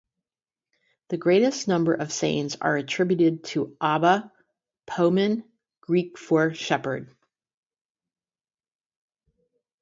The greatest number of sayings are attributed to Abba "Poemen," Greek for "shepherd.